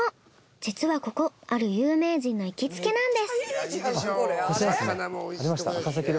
実はここある有名人の行きつけなんです。